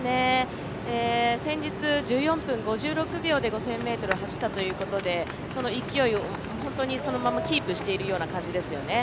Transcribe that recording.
先日、１４分５１秒で５０００ｍを走ったということで、その勢いをそのままキープしているような感じですよね。